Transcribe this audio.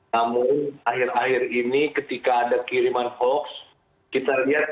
namun akhir akhir ini ketika ada kiriman hoax kita lihat